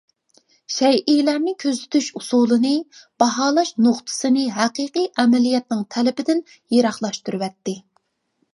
شەيئىلەرنى كۆزىتىش ئۇسۇلىنى، باھالاش نۇقتىسىنى ھەقىقىي ئەمەلىيەتنىڭ تەلىپىدىن يىراقلاشتۇرۇۋەتتى.